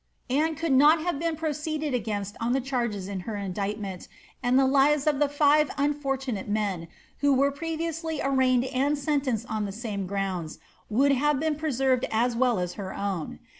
Anne could not have been proceeded against on the cliarges in her indictment, and the lives of the ^ve unfortunate men, who were previously arraigned and sentenced on the same grounds, woidd have been preserved as well as her own.